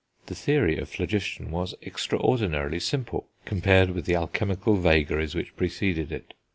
The theory of phlogiston was extraordinarily simple, compared with the alchemical vagaries which preceded it.